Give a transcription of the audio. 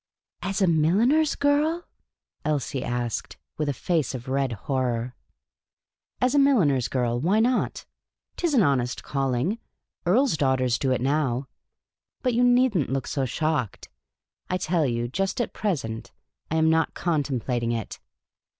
"As a milliner's girl ?" Elsie asked, with a face of red horror. " As a milliner's girl ; why not ? 'T is an honest calling. Earls' daughters do it now. But you need n't look so shocked. I tell you, just at present, I am not contemplating it."